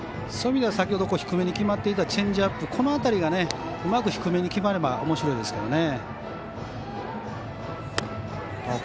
そういう意味では先ほど低めに決まっていたチェンジアップ、この辺りがうまく低めに決まればおもしろいですけどね。